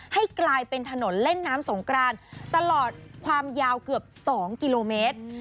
ให้กลายเป็นถนนเล่นน้ำสงกรานตลอดความยาวเกือบ๒กิโลเมตร